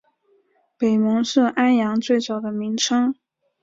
北蒙是安阳最早的名称。